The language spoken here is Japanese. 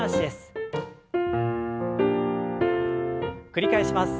繰り返します。